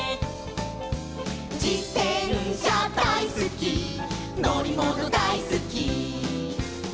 「じてんしゃだいすきのりものだいすき」